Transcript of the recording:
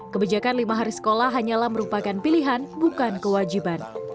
kebijakan lima hari sekolah hanyalah merupakan pilihan bukan kewajiban